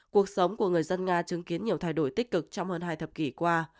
cuộc sống của người dân nga chứng kiến nhiều thay đổi tích cực trong hơn hai thập kỷ qua